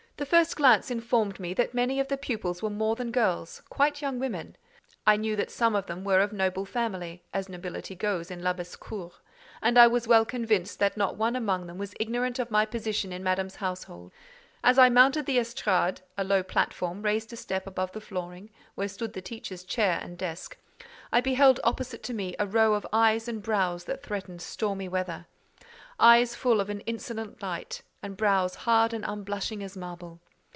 The first glance informed me that many of the pupils were more than girls—quite young women; I knew that some of them were of noble family (as nobility goes in Labassecour), and I was well convinced that not one amongst them was ignorant of my position in Madame's household. As I mounted the estràde (a low platform, raised a step above the flooring), where stood the teacher's chair and desk, I beheld opposite to me a row of eyes and brows that threatened stormy weather—eyes full of an insolent light, and brows hard and unblushing as marble.